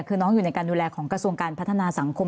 คือน้องอยู่ในการดูแลของกระทรวงการพัฒนาสังคม